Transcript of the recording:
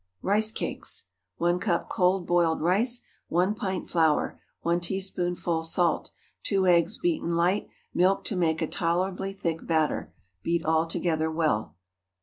RICE CAKES. ✠ One cup cold boiled rice. One pint flour. One teaspoonful salt. Two eggs, beaten light. Milk to make a tolerably thick batter. Beat all together well.